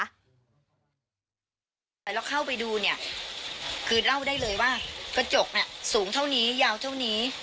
แต่เราเข้าไปดูเนี่ยคือเล่าได้เลยว่ากระจกเนี่ยสูงเท่านี้ยาวเท่านี้